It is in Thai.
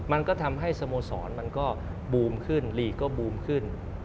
มันก็ทำให้สโมสรมันก็บูมขึ้นลีกก็บูมขึ้น